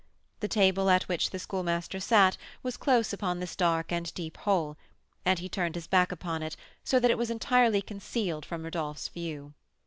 The table at which the Schoolmaster sat was close upon this dark and deep hole, and he turned his back upon it, so that it was entirely concealed from Rodolph's view.